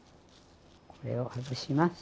これを外します。